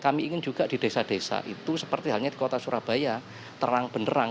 kami ingin juga di desa desa itu seperti halnya di kota surabaya terang benerang